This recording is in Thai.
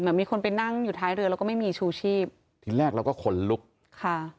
มีคนไปนั่งอยู่ท้ายเรือแล้วก็ไม่มีชูชีพทีแรกเราก็ขนลุกค่ะ